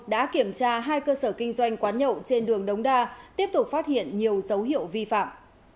đã kiểm tra hai cơ sở kinh doanh quán nhậu trên đường đống đa tiếp tục phát hiện nhiều dấu hiệu vi phạm